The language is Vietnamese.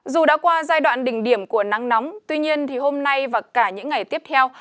dù đã qua giai đoạn đỉnh điểm của nắng nóng tuy nhiên hôm nay và cả những ngày tiếp theo